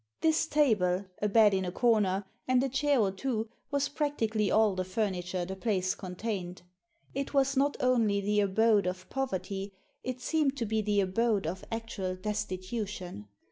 This table, a bed in a corner, and a chair or two was practically all the furniture the place con tained. It was not only the abode of poverty, it seemed to be the abode of actual destitution.